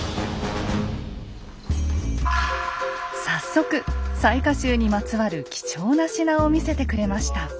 早速雑賀衆にまつわる貴重な品を見せてくれました。